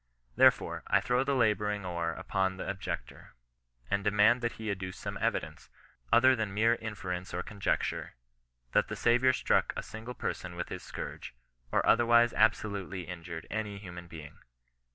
Therefore, I throw the labouring oar upon the objector, and demand that he adduce some evidence, other than mere inference or conjecture, that the Saviour struck a single person with his scourge, or otherwise absolutely injured any human being.